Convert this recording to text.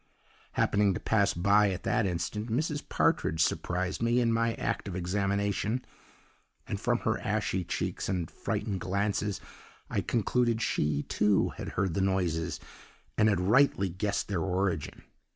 "Happening to pass by at that instant, Mrs. Partridge surprised me in my act of examination, and from her ashy cheeks and frightened glances I concluded she, too, had heard the noises and had rightly guessed their origin.